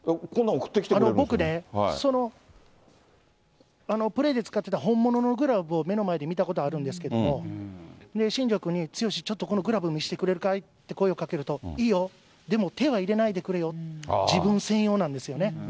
僕ね、そのプレーで使ってた本物のグラブを目の前で見たことあるんですけども、新庄君に、剛志、ちょっとこのグラブ見せてくれるかいって声をかけると、いいよ、でも手は入れないでくれよと、自分専用なんですよね。